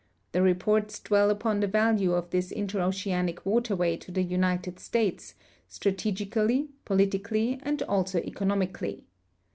The reports dwell upon the value of this interoceanic waterway to the United States, strategically, politically, and also econom ically.